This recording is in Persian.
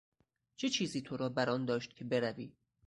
چه چیزی تو را برآن داشت که بروی؟